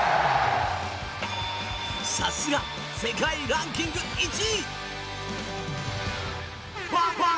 さすが世界ランキング１位！